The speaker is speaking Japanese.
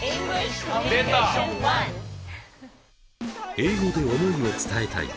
英語で思いを伝えたい！